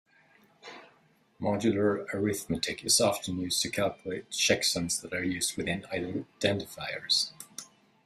Modular arithmetic is often used to calculate checksums that are used within identifiers.